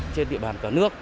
trên địa bàn cả nước